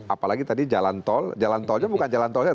apalagi tadi jalan tol jalan tolnya bukan jalan tolnya